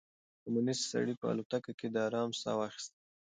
کمونيسټ سړي په الوتکه کې د ارام ساه واخيسته.